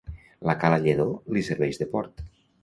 La cala Lledó li serveix de port.